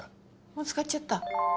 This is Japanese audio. もう使っちゃった。